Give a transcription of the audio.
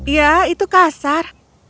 ya itu kasar